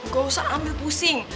gak usah ambil pusing